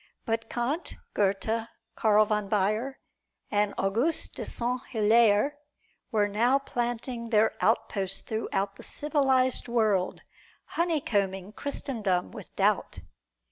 But Kant, Goethe, Karl von Baer and August de Sainte Hilaire were now planting their outposts throughout the civilized world, honeycombing Christendom with doubt.